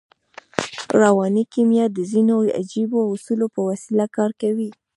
رواني کیمیا د ځينو عجیبو اصولو په وسیله کار کوي